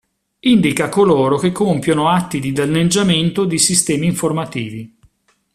Indica coloro che compiono atti di danneggiamento di sistemi informativi.